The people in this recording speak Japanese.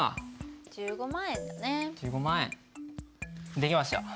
できました。